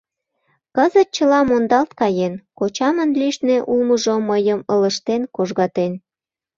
Кызыт чыла мондалт каен, кочамын лишне улмыжо мыйым ылыжтен-кожгатен.